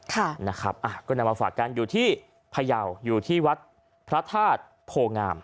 ก็นำมาฝากกันอยู่ที่พยาวอยู่ที่วัดพระธาตุโภงาม